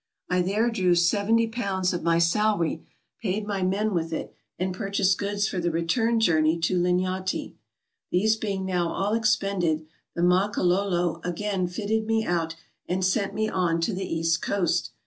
I there drew £ 70 of my salary, paid my men with it, and purchased goods for the return journey to Linyanti. These being now all expended, the Makololo again fitted me out, and sent me on to the east coast.